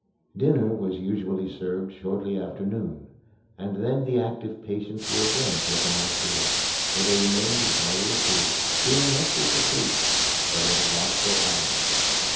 Dinner was usually served shortly after noon, and then the active patients were again taken out of doors, where they remained an hour or two doing much as they pleased, but under watchful eyes.